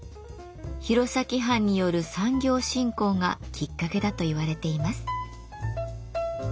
弘前藩による産業振興がきっかけだといわれています。